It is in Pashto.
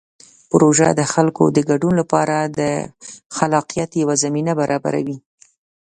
پروژه د خلکو د ګډون لپاره د خلاقیت یوه زمینه برابروي.